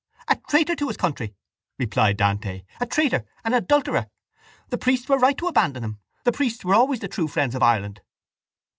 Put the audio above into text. —A traitor to his country! replied Dante. A traitor, an adulterer! The priests were right to abandon him. The priests were always the true friends of Ireland.